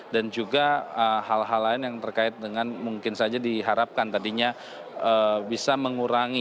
dan juga hal hal lain yang terkait dengan mungkin saja diharapkan tadinya bisa mengurangkan